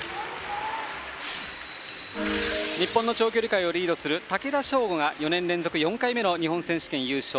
日本の長距離界をリードする竹田渉瑚が４年連続４回目の日本選手権優勝。